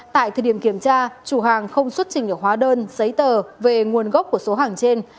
tại thời điểm kiểm tra chủ hàng không xuất trình được hóa đơn giấy tờ về nguồn gốc của số hàng trên